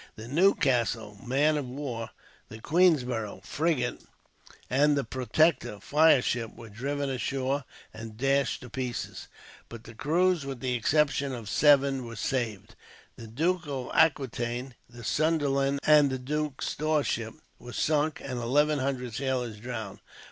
The Newcastle, man of war; the Queenborough, frigate; and the Protector, fire ship were driven ashore and dashed to pieces; but the crews, with the exception of seven, were saved. The Duke of Aquitaine, the Sunderland, and the Duke, store ship, were sunk, and eleven hundred sailors drowned.